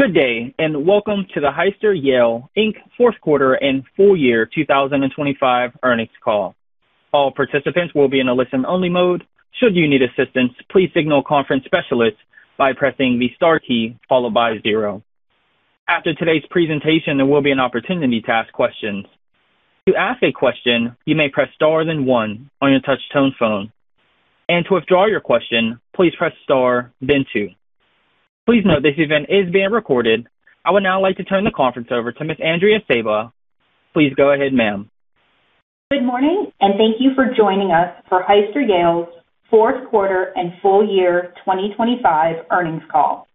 Good day, welcome to the Hyster-Yale, Inc fourth quarter and full year 2025 earnings call. All participants will be in a listen-only mode. Should you need assistance, please signal a conference specialist by pressing the star key followed by zero. After today's presentation, there will be an opportunity to ask questions. To ask a question, you may press star then one on your touch-tone phone. To withdraw your question, please press star then two. Please note this event is being recorded. I would now like to turn the conference over to Ms. Andrea Sejba. Please go ahead, ma'am. Good morning, and thank you for joining us for Hyster-Yale's fourth quarter and full year 2025 earnings call.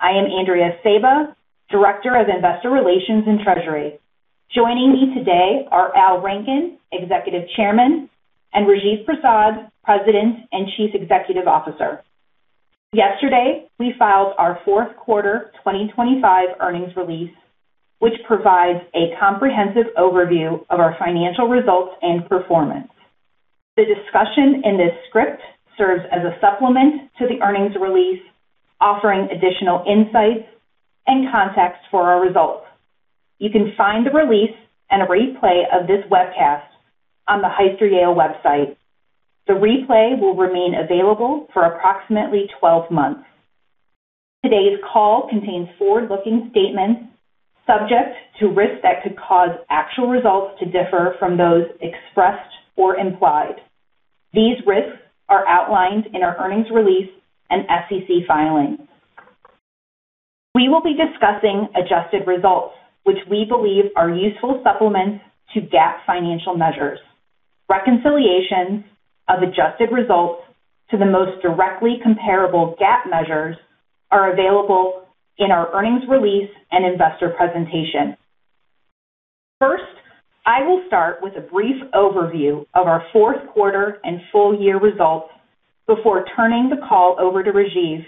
I am Andrea Sejba, Director of Investor Relations and Treasury. Joining me today are Al Rankin, Executive Chairman, and Rajiv Prasad, President and Chief Executive Officer. Yesterday, we filed our fourth quarter 2025 earnings release, which provides a comprehensive overview of our financial results and performance. The discussion in this script serves as a supplement to the earnings release, offering additional insights and context for our results. You can find the release and a replay of this webcast on the Hyster-Yale website. The replay will remain available for approximately 12 months. Today's call contains forward-looking statements subject to risks that could cause actual results to differ from those expressed or implied. These risks are outlined in our earnings release and SEC filings. We will be discussing adjusted results, which we believe are useful supplements to GAAP financial measures. Reconciliations of adjusted results to the most directly comparable GAAP measures are available in our earnings release and investor presentation. First, I will start with a brief overview of our fourth quarter and full year results before turning the call over to Rajiv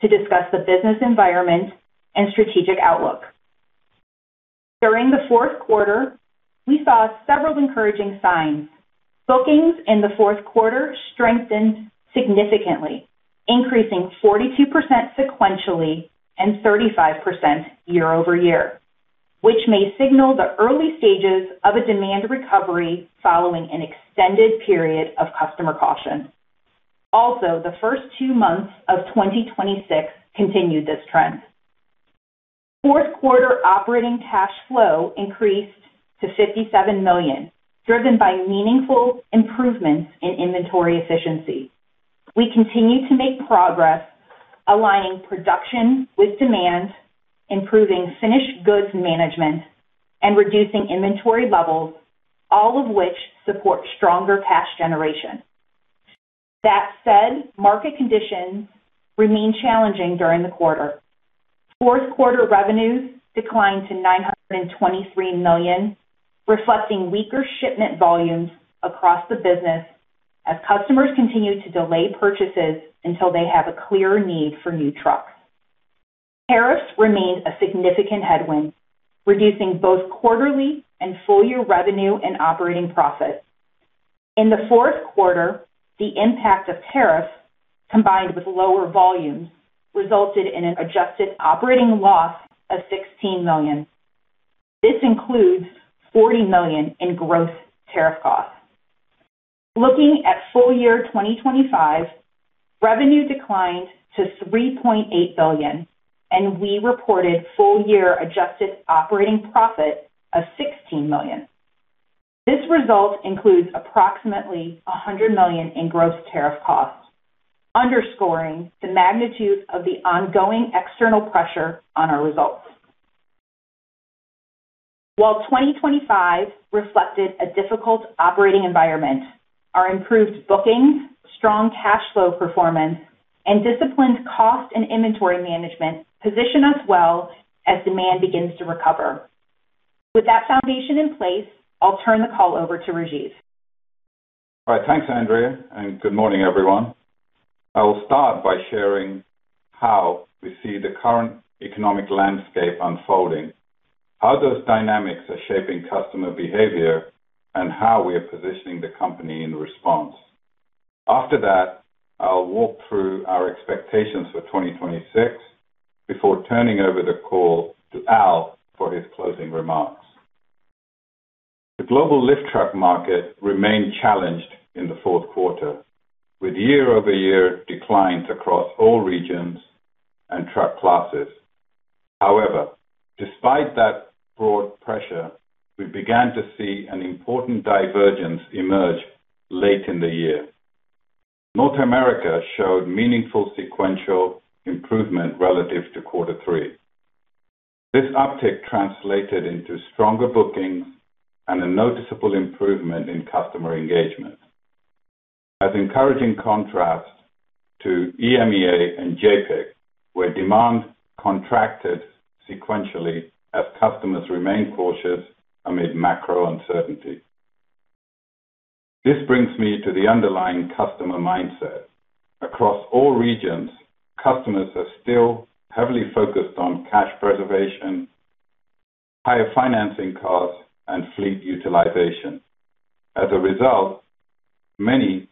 to discuss the business environment and strategic outlook. During the fourth quarter, we saw several encouraging signs. Bookings in the fourth quarter strengthened significantly, increasing 42% sequentially and 35% year-over-year, which may signal the early stages of a demand recovery following an extended period of customer caution. Also, the first two months of 2026 continued this trend. Fourth quarter operating cash flow increased to $57 million, driven by meaningful improvements in inventory efficiency. We continue to make progress aligning production with demand, improving finished goods management, and reducing inventory levels, all of which support stronger cash generation. Market conditions remained challenging during the quarter. Fourth quarter revenues declined to $923 million, reflecting weaker shipment volumes across the business as customers continued to delay purchases until they have a clear need for new trucks. Tariffs remained a significant headwind, reducing both quarterly and full-year revenue and operating profits. In the fourth quarter, the impact of tariffs, combined with lower volumes, resulted in an adjusted operating loss of $16 million. This includes $40 million in gross tariff costs. Looking at full year 2025, revenue declined to $3.8 billion, and we reported full year adjusted operating profit of $16 million. This result includes approximately $100 million in gross tariff costs, underscoring the magnitude of the ongoing external pressure on our results. While 2025 reflected a difficult operating environment, our improved bookings, strong cash flow performance, and disciplined cost and inventory management position us well as demand begins to recover. With that foundation in place, I'll turn the call over to Rajiv. All right. Thanks, Andrea. Good morning, everyone. I will start by sharing how we see the current economic landscape unfolding, how those dynamics are shaping customer behavior, and how we are positioning the company in response. After that, I'll walk through our expectations for 2026 before turning over the call to Al for his closing remarks. The global lift truck market remained challenged in the fourth quarter, with year-over-year declines across all regions and truck classes. Despite that broad pressure, we began to see an important divergence emerge late in the year. North America showed meaningful sequential improvement relative to quarter three. This uptick translated into stronger bookings and a noticeable improvement in customer engagement, as encouraging contrast to EMEA and JAPIC, where demand contracted sequentially as customers remained cautious amid macro uncertainty. This brings me to the underlying customer mindset. Across all regions, customers are still heavily focused on cash preservation-Higher financing costs and fleet utilization. Many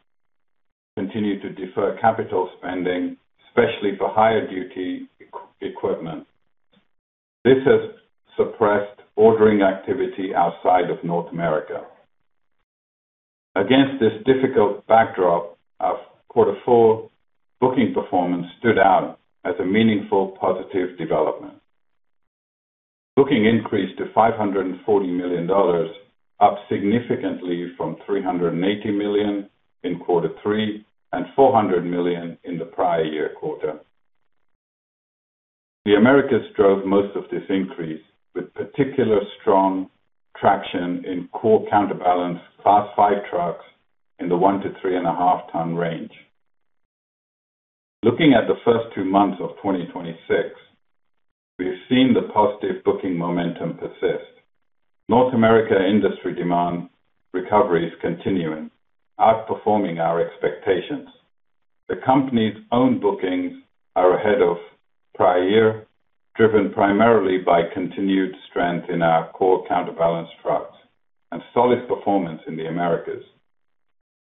continue to defer capital spending, especially for higher duty equipment. This has suppressed ordering activity outside of North America. Our Q4 booking performance stood out as a meaningful positive development. Booking increased to $540 million, up significantly from $380 million in Q3 and $400 million in the prior year quarter. The Americas drove most of this increase, with particular strong traction in core counterbalance Class 5 trucks in the 1-3.5 ton range. Looking at the first two months of 2026, we've seen the positive booking momentum persist. North America industry demand recovery is continuing, outperforming our expectations. The company's own bookings are ahead of prior year, driven primarily by continued strength in our core counterbalance trucks and solid performance in the Americas.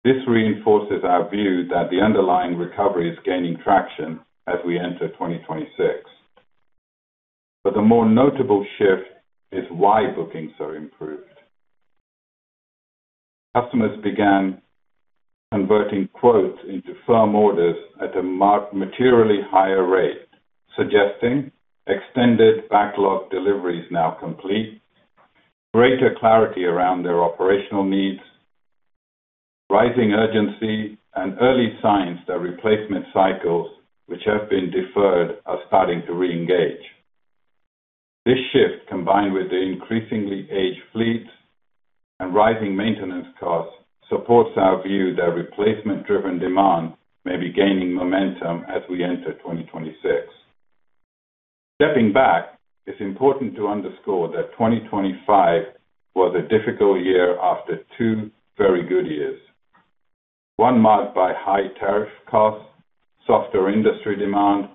This reinforces our view that the underlying recovery is gaining traction as we enter 2026. The more notable shift is why bookings are improved. Customers began converting quotes into firm orders at a materially higher rate, suggesting extended backlog deliveries now complete, greater clarity around their operational needs, rising urgency and early signs that replacement cycles which have been deferred are starting to re-engage. This shift, combined with the increasingly aged fleets and rising maintenance costs, supports our view that replacement driven demand may be gaining momentum as we enter 2026. Stepping back, it's important to underscore that 2025 was a difficult year after two very good years. One marked by high tariff costs, softer industry demand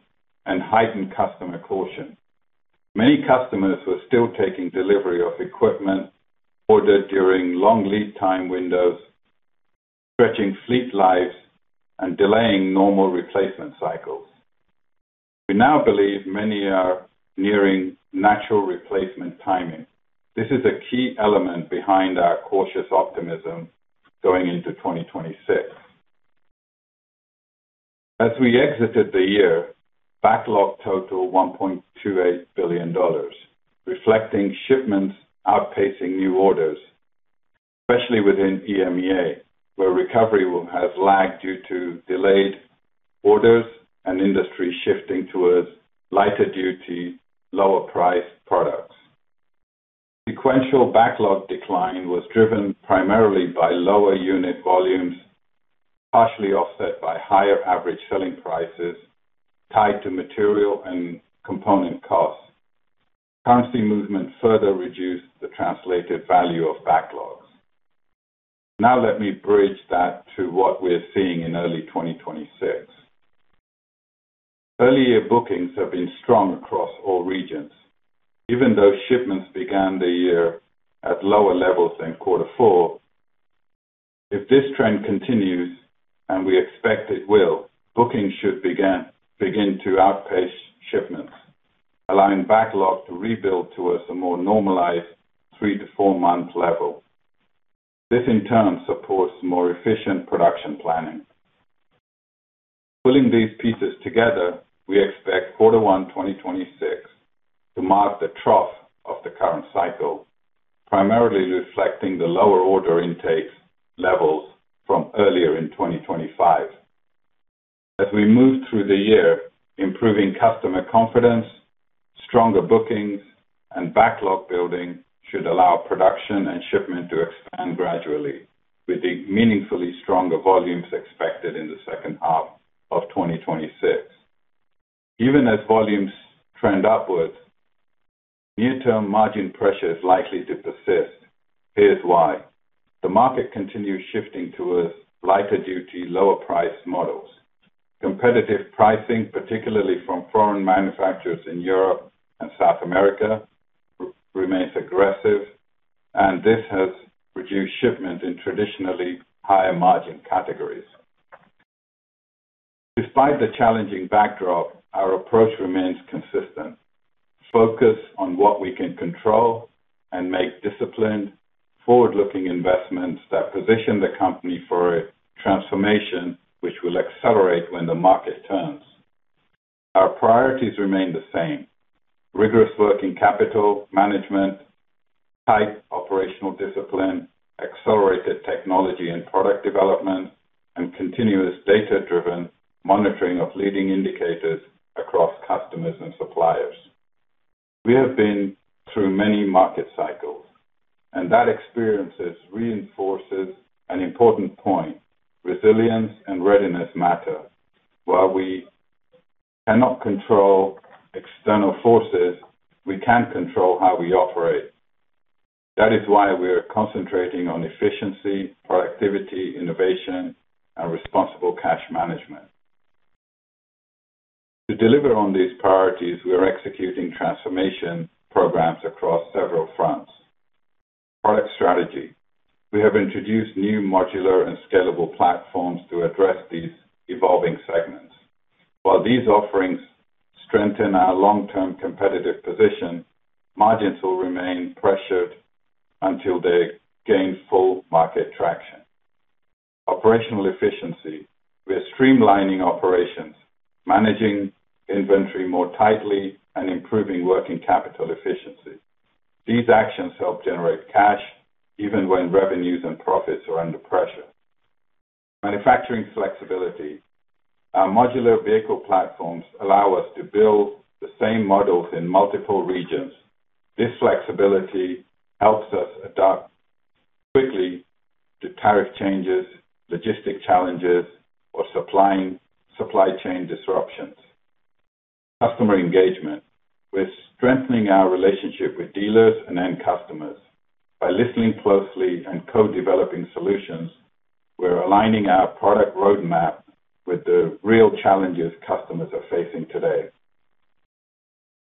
and heightened customer caution. Many customers were still taking delivery of equipment ordered during long lead time windows, stretching fleet lives and delaying normal replacement cycles. We now believe many are nearing natural replacement timing. This is a key element behind our cautious optimism going into 2026. As we exited the year, backlog totaled $1.28 billion, reflecting shipments outpacing new orders, especially within EMEA, where recovery will have lagged due to delayed orders and industry shifting towards lighter duty, lower priced products. Sequential backlog decline was driven primarily by lower unit volumes, partially offset by higher average selling prices tied to material and component costs. Currency movement further reduced the translated value of backlogs. Let me bridge that to what we're seeing in early 2026. Early year bookings have been strong across all regions, even though shipments began the year at lower levels than quarter four. If this trend continues, and we expect it will, bookings should begin to outpace shipments, allowing backlog to rebuild towards a more normalized three to four-month level. This in turn supports more efficient production planning. Pulling these pieces together, we expect quarter one 2026 to mark the trough of the current cycle, primarily reflecting the lower order intakes levels from earlier in 2025. As we move through the year, improving customer confidence, stronger bookings and backlog building should allow production and shipment to expand gradually with the meaningfully stronger volumes expected in the second half of 2026. Even as volumes trend upwards, near-term margin pressure is likely to persist. Here's why. The market continues shifting towards lighter duty, lower priced models. Competitive pricing, particularly from foreign manufacturers in Europe and South America, remains aggressive, and this has reduced shipment in traditionally higher margin categories. Despite the challenging backdrop, our approach remains consistent. Focus on what we can control and make disciplined forward-looking investments that position the company for a transformation which will accelerate when the market turns. Our priorities remain the same. Rigorous working capital management, tight operational discipline, accelerated technology and product development, and continuous data-driven monitoring of leading indicators across customers and suppliers. We have been through many market cycles, and that experience has reinforces an important point: resilience and readiness matter. While we cannot control external forces, we can control how we operate. That is why we are concentrating on efficiency, productivity, innovation and responsible cash management. To deliver on these priorities, we are executing transformation programs across several fronts. Product strategy. We have introduced new modular and scalable platforms to address these evolving segments. While these offerings strengthen our long-term competitive position, margins will remain pressured until they gain full market traction. Operational efficiency. We are streamlining operations, managing inventory more tightly, and improving working capital efficiency. These actions help generate cash even when revenues and profits are under pressure. Manufacturing flexibility. Our modular vehicle platforms allow us to build the same models in multiple regions. This flexibility helps us adapt quickly to tariff changes, logistic challenges, or supply chain disruptions. Customer engagement. We're strengthening our relationship with dealers and end customers. By listening closely and co-developing solutions, we're aligning our product roadmap with the real challenges customers are facing today.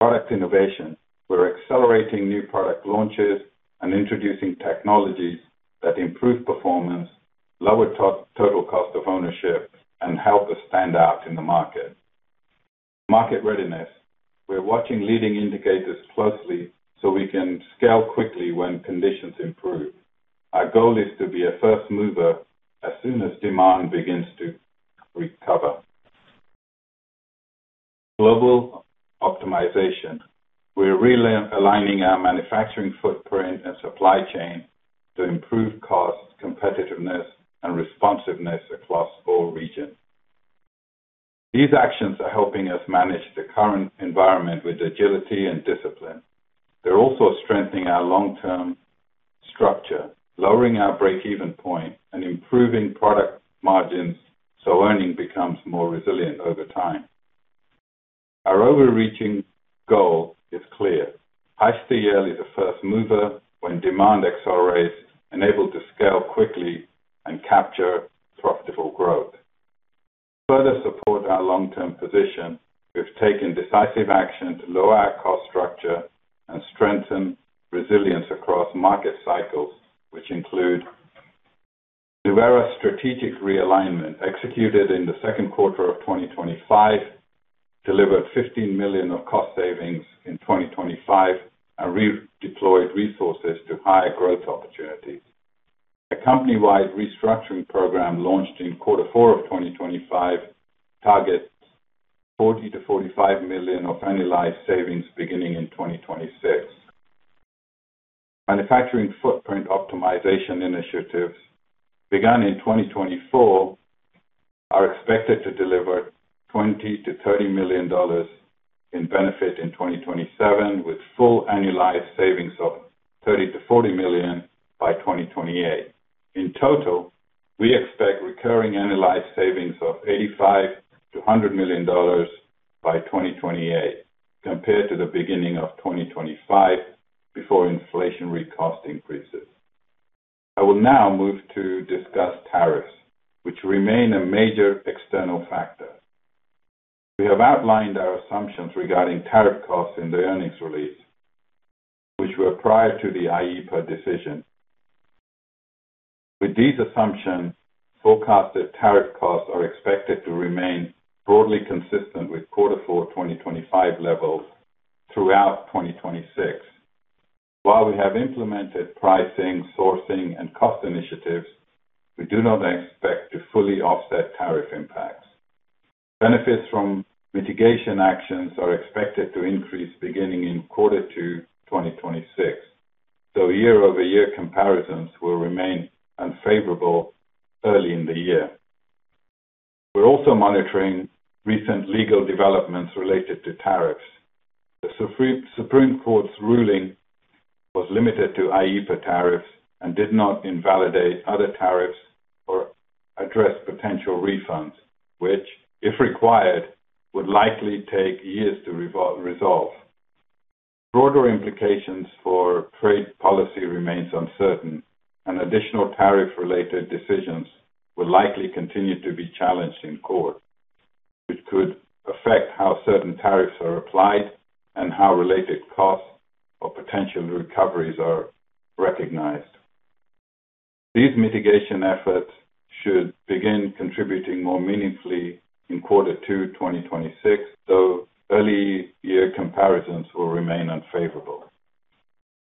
Product innovation. We're accelerating new product launches and introducing technologies that improve performance, lower total cost of ownership, and help us stand out in the market. Market readiness. We're watching leading indicators closely so we can scale quickly when conditions improve. Our goal is to be a first mover as soon as demand begins to recover. Global optimization. We're realigning our manufacturing footprint and supply chain to improve costs, competitiveness, and responsiveness across all regions. These actions are helping us manage the current environment with agility and discipline. They're also strengthening our long-term structure, lowering our break-even point, and improving product margins so earning becomes more resilient over time. Our overreaching goal is clear. I see early the first mover when demand accelerates and able to scale quickly and capture profitable growth. To further support our long-term position, we've taken decisive action to lower our cost structure and strengthen resilience across market cycles, which include Nuvera strategic realignment executed in the second quarter of 2025, delivered $15 million of cost savings in 2025 and redeployed resources to higher growth opportunities. A company-wide restructuring program launched in quarter four of 2025 targets $40 million-$45 million of annualized savings beginning in 2026. Manufacturing footprint optimization initiatives begun in 2024 are expected to deliver $20 million-$30 million in benefit in 2027, with full annualized savings of $30 million-$40 million by 2028. In total, we expect recurring annualized savings of $85 million-$100 million by 2028 compared to the beginning of 2025 before inflationary cost increases. I will now move to discuss tariffs, which remain a major external factor. We have outlined our assumptions regarding tariff costs in the earnings release, which were prior to the IEEPA decision. With these assumptions, forecasted tariff costs are expected to remain broadly consistent with quarter four of 2025 levels throughout 2026. While we have implemented pricing, sourcing, and cost initiatives, we do not expect to fully offset tariff impacts. Benefits from mitigation actions are expected to increase beginning in quarter 2, 2026. Year-over-year comparisons will remain unfavorable early in the year. We're also monitoring recent legal developments related to tariffs. The Supreme Court's ruling was limited to IEEPA tariffs and did not invalidate other tariffs or address potential refunds, which, if required, would likely take years to resolve. Broader implications for trade policy remains uncertain, and additional tariff-related decisions will likely continue to be challenged in court, which could affect how certain tariffs are applied and how related costs or potential recoveries are recognized. These mitigation efforts should begin contributing more meaningfully in quarter two, 2026, though early year comparisons will remain unfavorable.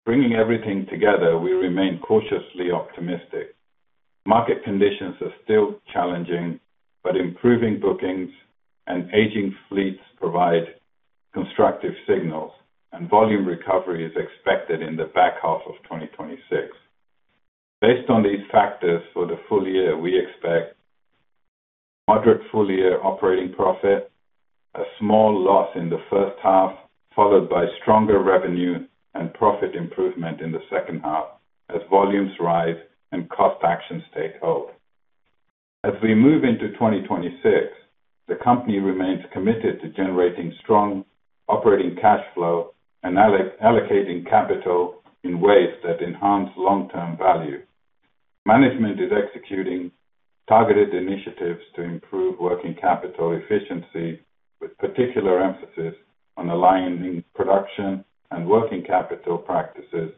Bringing everything together, we remain cautiously optimistic. Market conditions are still challenging, but improving bookings and aging fleets provide constructive signals, and volume recovery is expected in the back half of 2026. Based on these factors for the full year, we expect moderate full-year operating profit, a small loss in the first half, followed by stronger revenue and profit improvement in the second half as volumes rise and cost actions take hold. As we move into 2026, the company remains committed to generating strong operating cash flow and allocating capital in ways that enhance long-term value. Management is executing targeted initiatives to improve working capital efficiency, with particular emphasis on aligning production and working capital practices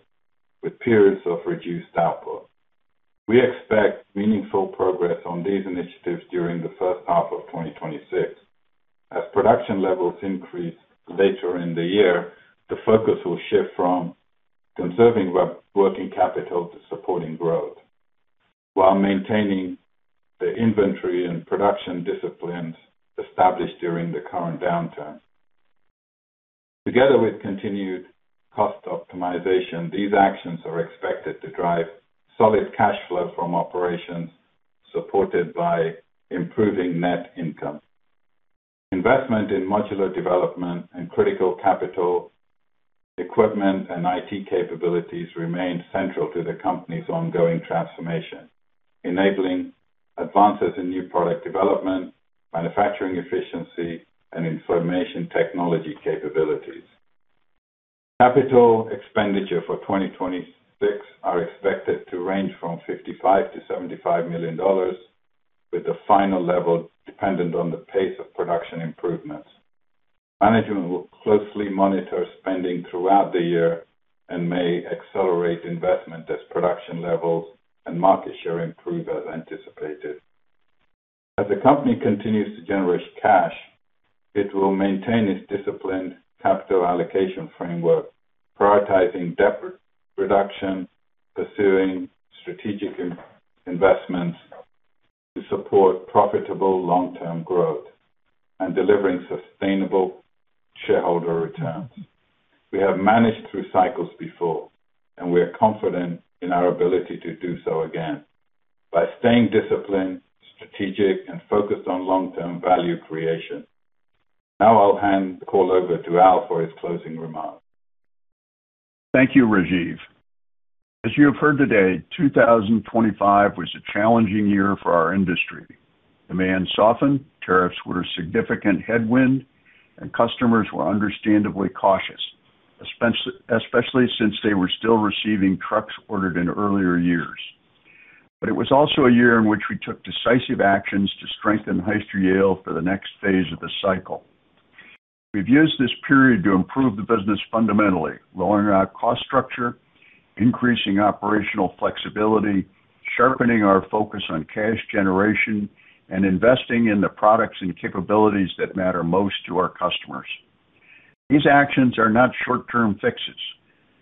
with periods of reduced output. We expect meaningful progress on these initiatives during the first half of 2026. Production levels increase later in the year, the focus will shift from conserving working capital to supporting growth while maintaining the inventory and production disciplines established during the current downturn. Together with continued cost optimization, these actions are expected to drive solid cash flow from operations, supported by improving net income. Investment in modular development and critical capital equipment and IT capabilities remain central to the company's ongoing transformation, enabling advances in new product development, manufacturing efficiency, and information technology capabilities. Capital expenditure for 2026 are expected to range from $55 million-$75 million, with the final level dependent on the pace of production improvements. Management will closely monitor spending throughout the year and may accelerate investment as production levels and market share improve as anticipated. As the company continues to generate cash, it will maintain its disciplined capital allocation framework, prioritizing debt reduction, pursuing strategic investments to support profitable long-term growth, and delivering sustainable shareholder returns. I'll hand the call over to Al for his closing remarks. Thank you, Rajiv. As you have heard today, 2025 was a challenging year for our industry. Demand softened, tariffs were a significant headwind. Customers were understandably cautious, especially since they were still receiving trucks ordered in earlier years. It was also a year in which we took decisive actions to strengthen Hyster-Yale for the next phase of the cycle. We've used this period to improve the business fundamentally, lowering our cost structure, increasing operational flexibility, sharpening our focus on cash generation, and investing in the products and capabilities that matter most to our customers. These actions are not short-term fixes.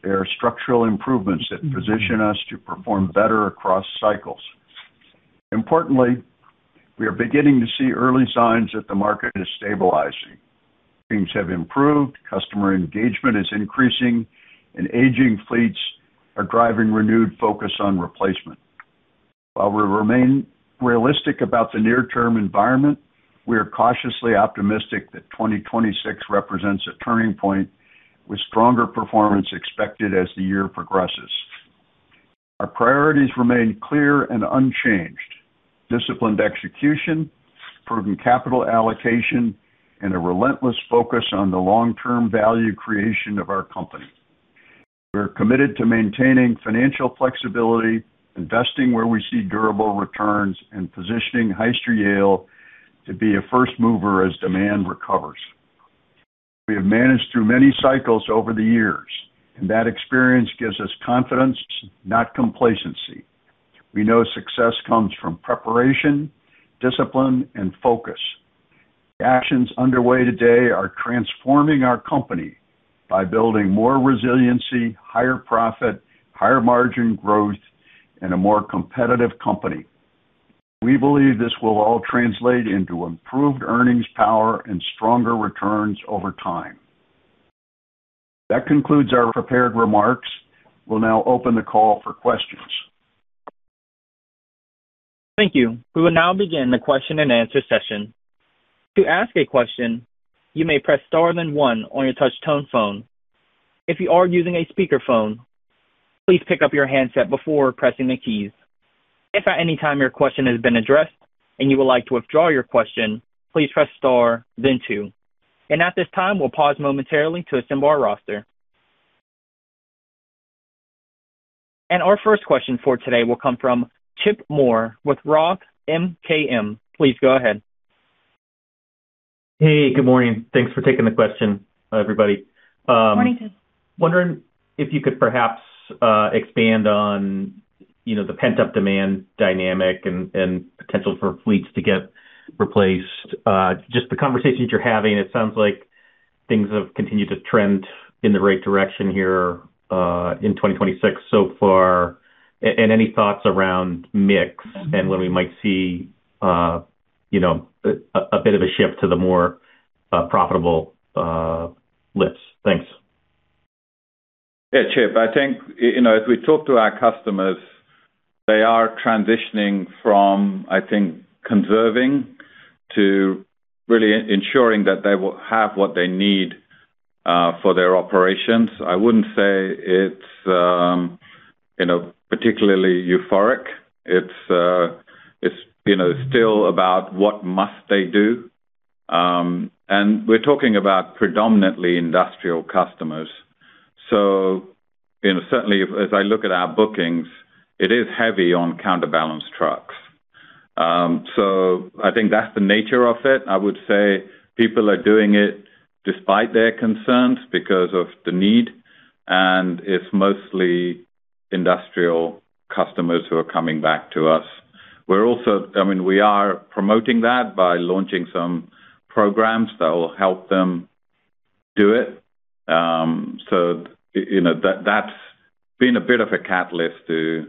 They are structural improvements that position us to perform better across cycles. Importantly, we are beginning to see early signs that the market is stabilizing. Things have improved, customer engagement is increasing. Aging fleets are driving renewed focus on replacement. While we remain realistic about the near-term environment, we are cautiously optimistic that 2026 represents a turning point with stronger performance expected as the year progresses. Our priorities remain clear and unchanged. Disciplined execution, proven capital allocation, and a relentless focus on the long-term value creation of our company. We're committed to maintaining financial flexibility, investing where we see durable returns, and positioning Hyster-Yale to be a first mover as demand recovers. We have managed through many cycles over the years. That experience gives us confidence, not complacency. We know success comes from preparation, discipline, and focus. The actions underway today are transforming our company by building more resiliency, higher profit, higher margin growth, and a more competitive company. We believe this will all translate into improved earnings power and stronger returns over time. That concludes our prepared remarks. We'll now open the call for questions. Thank you. We will now begin the question and answer session. To ask a question, you may press star then one on your touch tone phone. If you are using a speakerphone, please pick up your handset before pressing the keys. If at any time your question has been addressed and you would like to withdraw your question, please press star then two. At this time, we'll pause momentarily to assemble our roster. Our first question for today will come from Chip Moore with Roth MKM. Please go ahead. Hey, good morning. Thanks for taking the question, everybody. Morning, Chip. Wondering if you could perhaps expand on, you know, the pent-up demand dynamic and potential for fleets to get replaced. Just the conversations you're having, it sounds like things have continued to trend in the right direction here in 2026 so far. Any thoughts around mix and when we might see, you know, a bit of a shift to the more profitable lifts. Thanks. Chip. I think, you know, as we talk to our customers, they are transitioning from, I think, conserving to really ensuring that they will have what they need for their operations. I wouldn't say it's, you know, particularly euphoric. It's, it's, you know, still about what must they do. We're talking about predominantly industrial customers. Certainly as I look at our bookings, it is heavy on counterbalance trucks. I think that's the nature of it. I would say people are doing it despite their concerns because of the need, and it's mostly industrial customers who are coming back to us. I mean, we are promoting that by launching some programs that will help them do it. That, that's been a bit of a catalyst to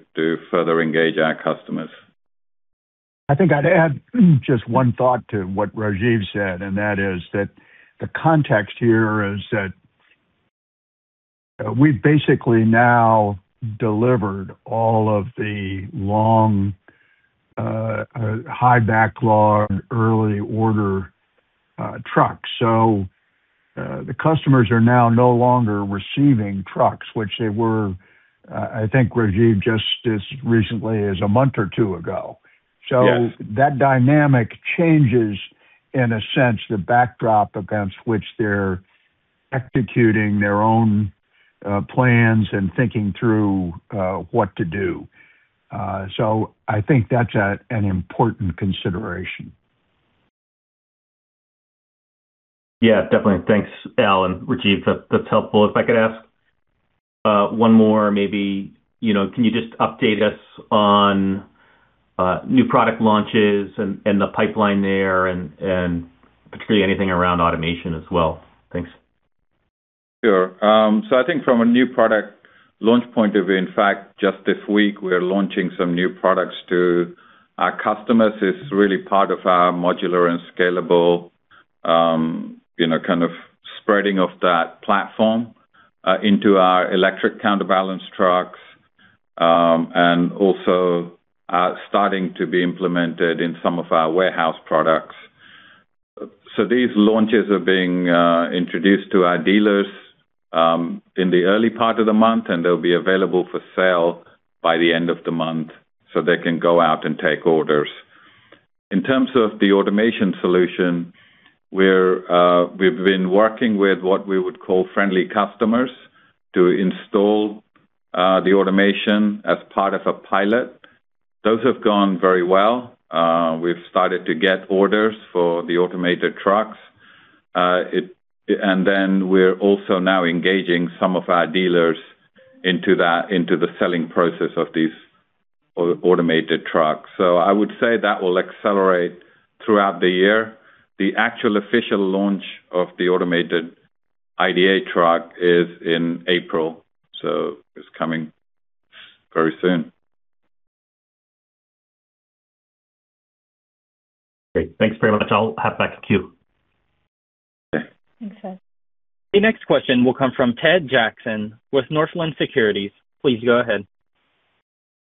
further engage our customers. I think I'd add just one thought to what Rajiv said, the context here is that we've basically now delivered all of the long, high backlog, early order, trucks. The customers are now no longer receiving trucks, which they were, I think, Rajiv, just as recently as a month or two ago. Yes. That dynamic changes, in a sense, the backdrop against which they're executing their own, plans and thinking through, what to do. I think that's an important consideration. Yeah, definitely. Thanks, Al and Rajiv. That's helpful. If I could ask, one more, maybe, you know, can you just update us on new product launches and the pipeline there and particularly anything around automation as well? Thanks. Sure. I think from a new product launch point of view, in fact, just this week, we are launching some new products to our customers. It's really part of our modular and scalable, you know, kind of spreading of that platform into our electric counterbalance trucks, and also starting to be implemented in some of our warehouse products. These launches are being introduced to our dealers in the early part of the month, and they'll be available for sale by the end of the month, so they can go out and take orders. In terms of the automation solution, we're we've been working with what we would call friendly customers to install the automation as part of a pilot. Those have gone very well. We've started to get orders for the automated trucks. We're also now engaging some of our dealers into that, into the selling process of these automated trucks. I would say that will accelerate throughout the year. The actual official launch of the automated IDA truck is in April, so it's coming very soon. Great. Thanks very much. I'll hop back to queue. Thanks, Chip. The next question will come from Ted Jackson with Northland Securities. Please go ahead.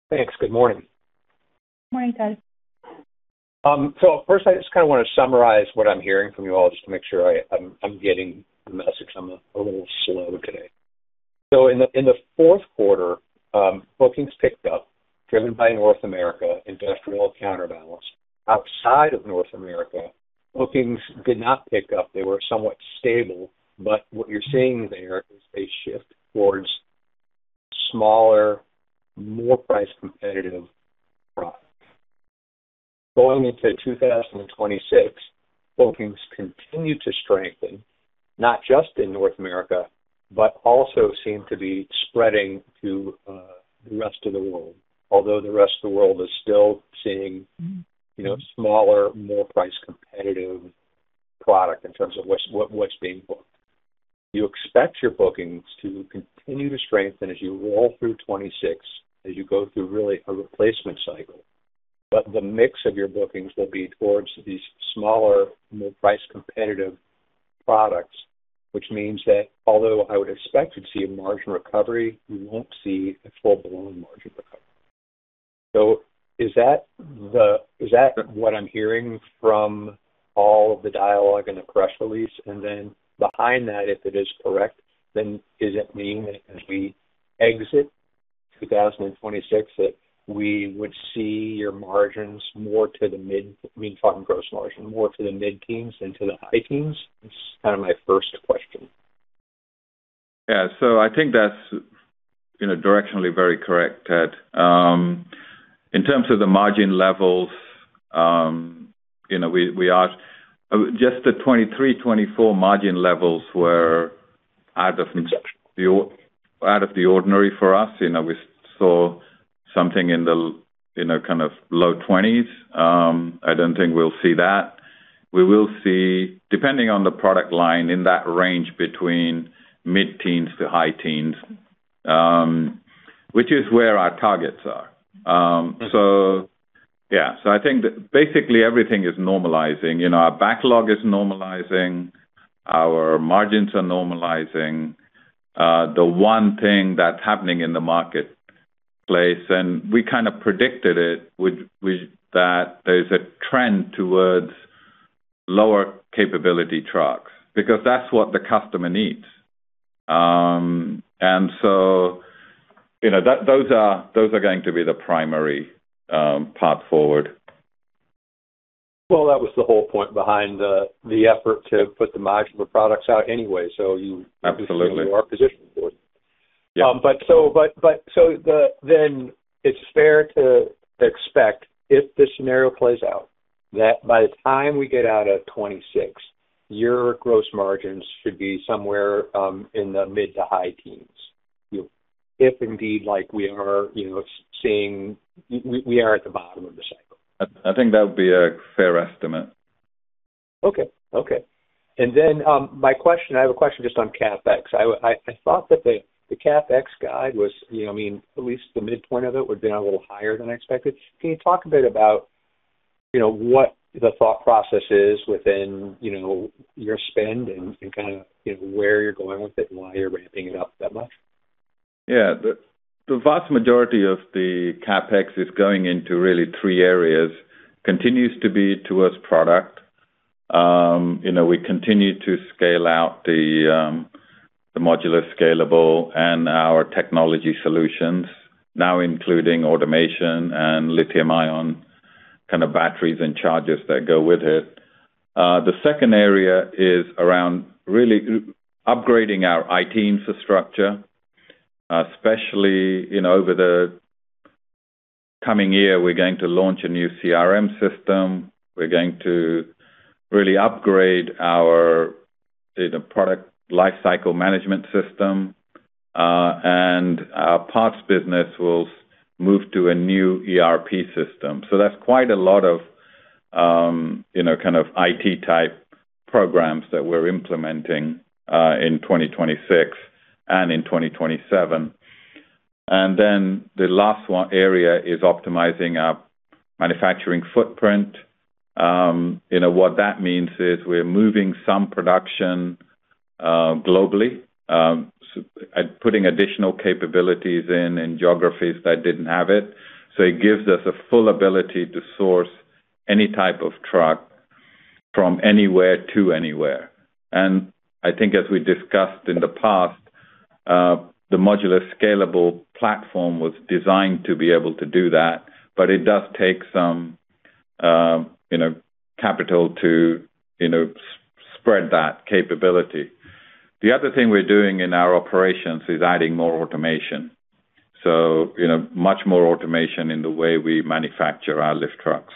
Thanks. Good morning. Good morning, Ted. First, I just kinda wanna summarize what I'm hearing from you all just to make sure I'm getting the message. I'm a little slow today. In the fourth quarter, bookings picked up, driven by North America industrial counterbalance. Outside of North America, bookings did not pick up. They were somewhat stable. What you're seeing there is a shift towards smaller, more price-competitive products. Going into 2026, bookings continue to strengthen, not just in North America, but also seem to be spreading to the rest of the world. The rest of the world is still seeing, you know, smaller, more price-competitive product in terms of what's being booked. You expect your bookings to continue to strengthen as you roll through 2026, as you go through really a replacement cycle. The mix of your bookings will be towards these smaller, more price-competitive products, which means that although I would expect to see a margin recovery, we won't see a full-blown margin recovery. Is that what I'm hearing from all of the dialogue in the press release? Behind that, if it is correct, then does it mean that as we exit 2026, that we would see your margins we've talked gross margin, more to the mid-teens than to the high teens? This is kinda my first question. Yeah. I think that's, you know, directionally very correct, Ted. In terms of the margin levels, you know, we are Just the 2023, 2024 margin levels were out of the ordinary for us. You know, we saw something in the, you know, kind of low 20s. I don't think we'll see that. We will see, depending on the product line in that range between mid-teens to high teens, which is where our targets are. Yeah. I think that basically everything is normalizing. You know, our backlog is normalizing, our margins are normalizing. The one thing that's happening in the marketplace, and we kinda predicted it, would that there's a trend towards lower capability trucks because that's what the customer needs. You know, those are going to be the primary path forward. Well, that was the whole point behind the effort to put the modular products out anyway, so you... Absolutely. You are positioned for it. Yeah. Then it's fair to expect if this scenario plays out, that by the time we get out of 2026, your gross margins should be somewhere, in the mid to high teens. You know, if indeed like we are, you know, seeing we are at the bottom of the cycle. I think that would be a fair estimate. Okay. Okay. My question. I thought that the CapEx guide was, you know, I mean, at least the midpoint of it would have been a little higher than I expected. Can you talk a bit about, you know, what the thought process is within, you know, your spend and kinda, you know, where you're going with it and why you're ramping it up that much? Yeah. The vast majority of the CapEx is going into really three areas, continues to be towards product. You know, we continue to scale out the modular, scalable and our technology solutions, now including automation and lithium-ion kind of batteries and charges that go with it. The second area is around really upgrading our IT infrastructure, especially, you know, over the coming year, we're going to launch a new CRM system. We're going to really upgrade our data Product Lifecycle Management system, and our parts business will move to a new ERP system. That's quite a lot of, you know, kind of IT type programs that we're implementing in 2026 and in 2027. The last area is optimizing our manufacturing footprint. You know, what that means is we're moving some production globally, putting additional capabilities in geographies that didn't have it. It gives us a full ability to source any type of truck from anywhere to anywhere. I think as we discussed in the past, the modular, scalable platform was designed to be able to do that, but it does take some, you know, capital to, you know, spread that capability. The other thing we're doing in our operations is adding more automation. You know, much more automation in the way we manufacture our lift trucks.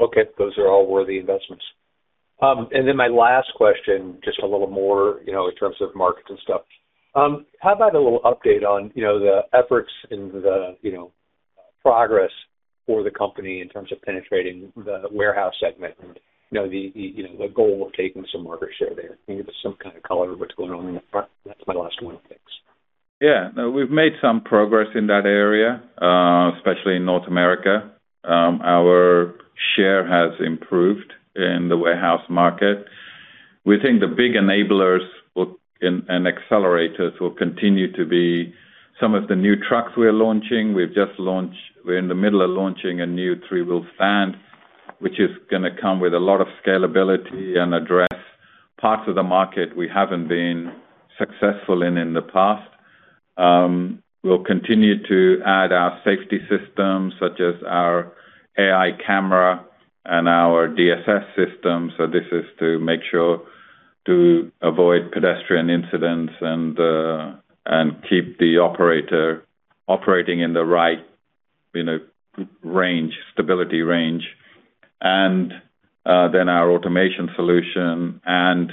Okay. Those are all worthy investments. My last question, just a little more, you know, in terms of markets and stuff. How about a little update on, you know, the efforts and the, you know, progress for the company in terms of penetrating the warehouse segment and, you know, the, you know, the goal of taking some market share there. Can you give us some kind of color of what's going on in that front? That's my last one, thanks. No, we've made some progress in that area, especially in North America. Our share has improved in the warehouse market. We think the big enablers and accelerators will continue to be some of the new trucks we're launching. We're in the middle of launching a new three-wheel stand, which is gonna come with a lot of scalability and address parts of the market we haven't been successful in the past. We'll continue to add our safety systems, such as our AI camera and our DSS system. This is to make sure to avoid pedestrian incidents and keep the operator operating in the right, you know, range, stability range. Our automation solution and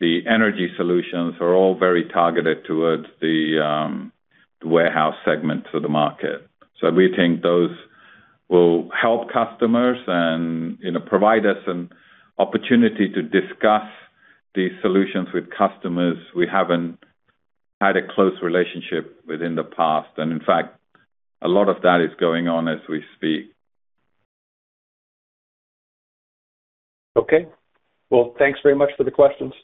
the energy solutions are all very targeted towards the warehouse segment of the market. We think those will help customers and, you know, provide us an opportunity to discuss these solutions with customers we haven't had a close relationship with in the past. In fact, a lot of that is going on as we speak. Okay. Well, thanks very much for the questions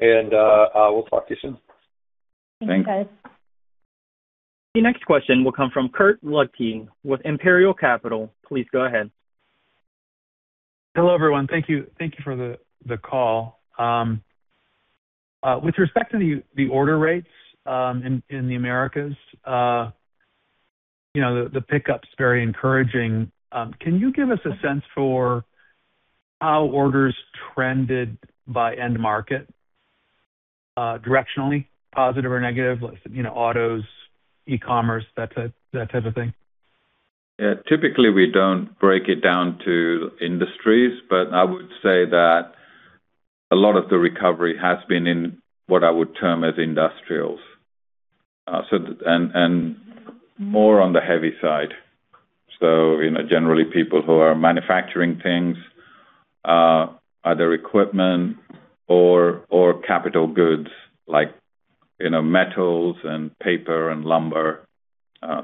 and, I will talk to you soon. Thanks. Thanks, guys. The next question will come from Kurt Luedtke with Imperial Capital. Please go ahead. Hello, everyone. Thank you. Thank you for the call. With respect to the order rates in the Americas, you know, the pickup's very encouraging. Can you give us a sense for how orders trended by end market, directionally, positive or negative, you know, autos, e-commerce, that type of thing? Yeah. Typically, we don't break it down to industries, but I would say that a lot of the recovery has been in what I would term as industrials. More on the heavy side. You know, generally people who are manufacturing things, either equipment or capital goods like, you know, metals and paper and lumber,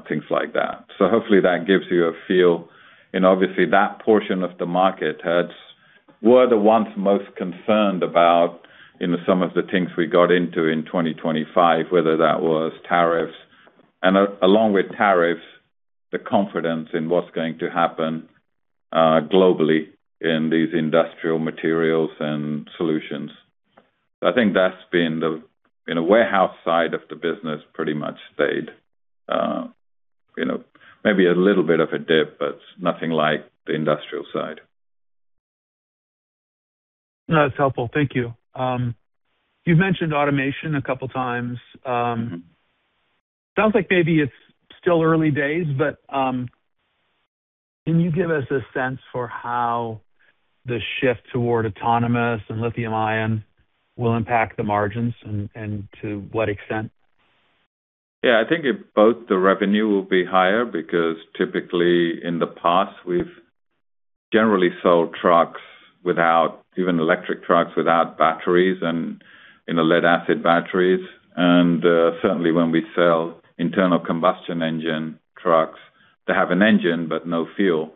things like that. Hopefully that gives you a feel. Obviously that portion of the market were the ones most concerned about, you know, some of the things we got into in 2025, whether that was tariffs. Along with tariffs, the confidence in what's going to happen globally in these industrial materials and solutions. I think that's been the, you know, warehouse side of the business pretty much stayed, you know, maybe a little bit of a dip, but nothing like the industrial side. No, that's helpful. Thank you. You've mentioned automation a couple times. Sounds like maybe it's still early days, but, can you give us a sense for how the shift toward autonomous and lithium-ion will impact the margins and to what extent? Yeah, I think both the revenue will be higher because typically in the past we've generally sold trucks without, even electric trucks, without batteries and, you know, lead acid batteries. Certainly when we sell internal combustion engine trucks, they have an engine but no fuel.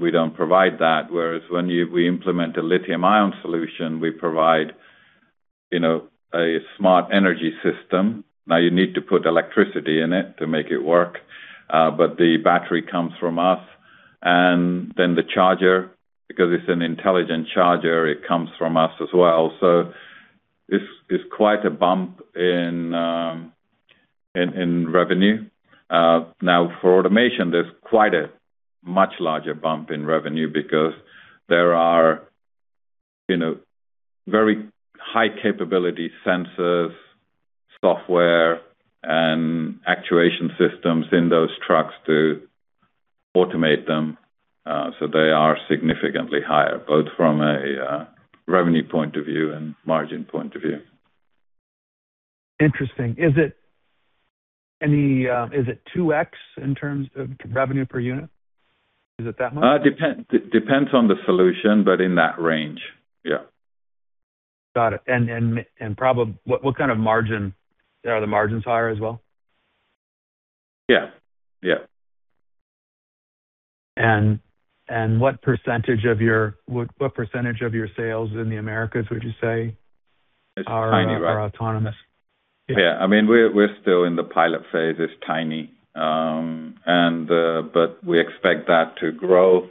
We don't provide that. Whereas when we implement a lithium-ion solution, we provide, you know, a smart energy system. Now you need to put electricity in it to make it work. The battery comes from us. And then the charger, because it's an intelligent charger, it comes from us as well. It's quite a bump in revenue. Now for automation, there's quite a much larger bump in revenue because there are, you know, very high capability sensors, software, and actuation systems in those trucks to automate them. They are significantly higher, both from a revenue point of view and margin point of view. Interesting. Is it any, is it 2x in terms of revenue per unit? Is it that much? Depends on the solution, but in that range, yeah. Got it. What kind of margin? Are the margins higher as well? Yeah. Yeah. What percentage of your sales in the Americas would you say are... It's tiny, right? Are autonomous? Yeah. I mean, we're still in the pilot phase. It's tiny. We expect that to grow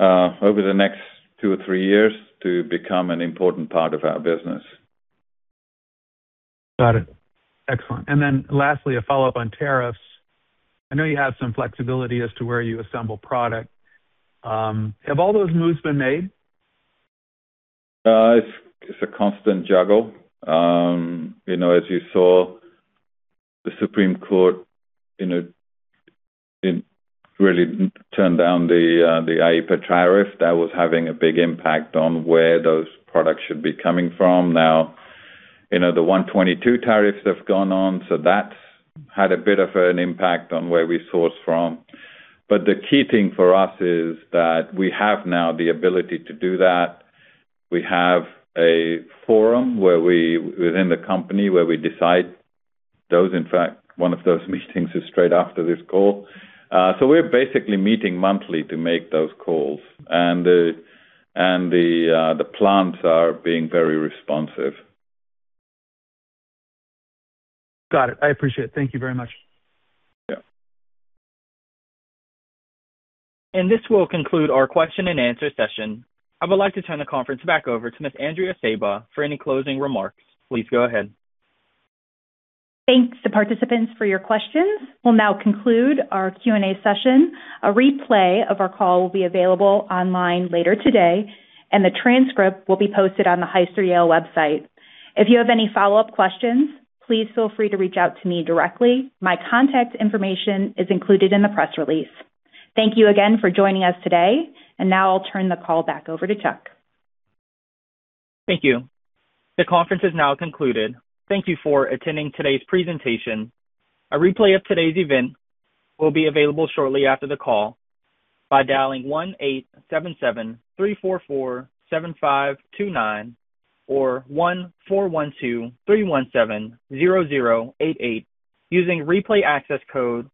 over the next two or three years to become an important part of our business. Got it. Excellent. Lastly, a follow-up on tariffs. I know you have some flexibility as to where you assemble product. Have all those moves been made? It's, it's a constant juggle. As you saw, the Supreme Court, it really turned down the IEEPA tariff that was having a big impact on where those products should be coming from. The 122 tariffs have gone on, so that's had a bit of an impact on where we source from. The key thing for us is that we have now the ability to do that. We have a forum where we, within the company, where we decide those. In fact, one of those meetings is straight after this call. We're basically meeting monthly to make those calls. The plants are being very responsive. Got it. I appreciate it. Thank you very much. Yeah. This will conclude our question-and-answer session. I would like to turn the conference back over to Miss Andrea Sejba for any closing remarks. Please go ahead. Thanks to participants for your questions. We'll now conclude our Q&A session. A replay of our call will be available online later today, and the transcript will be posted on the Hyster-Yale website. If you have any follow-up questions, please feel free to reach out to me directly. My contact information is included in the press release. Thank you again for joining us today. Now I'll turn the call back over to Chuck. Thank you. The conference has now concluded. Thank you for attending today's presentation. A replay of today's event will be available shortly after the call by dialing 1-877-344-7529 or 1-412-317-0088 using replay access code